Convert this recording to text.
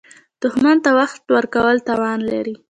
دښمن ته وخت ورکول تاوان لري